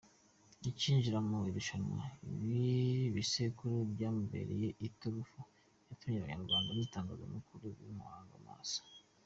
Acyinjira mu irushanwa ibi bisekuru byamubereye iturufu yatumye Abanyarwanda n’itangazamakuru bimuhanga amaso.